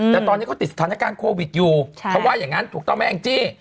แต่ตอนนี้เขาติดสถานการณ์โควิดอยู่เขาว่าอย่างนั้นถูกต้องไหมแองจี้